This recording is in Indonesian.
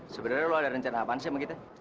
sebenarnya lo ada rencana apaan sih sama kita